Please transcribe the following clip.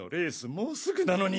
もうすぐなのに。